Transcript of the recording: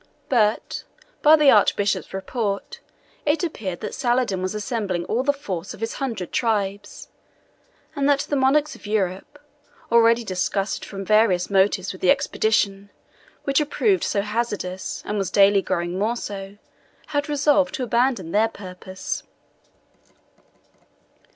But, by the Archbishop's report, it appeared that Saladin was assembling all the force of his hundred tribes, and that the monarchs of Europe, already disgusted from various motives with the expedition, which had proved so hazardous, and was daily growing more so, had resolved to abandon their purpose.